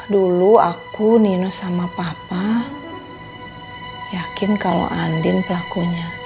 dulu aku ninus sama papa yakin kalau andin pelakunya